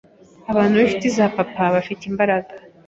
abantu b’inshuti za papa bafite imbaraga